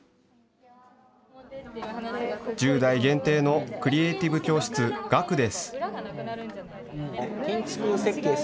１０代限定のクリエイティブ教室、ＧＡＫＵです。